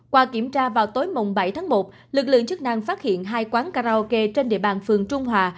qua kiểm tra vào tối bảy tháng một lực lượng chức năng phát hiện hai quán karaoke trên địa bàn phường trung hòa